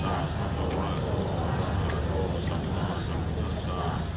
นักโมตัสสะภักขวะโอฮาระฮะโอสัมมาสัมพุทธสะ